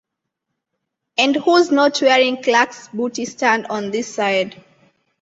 And who's not wearing Clarks booty stand on this side.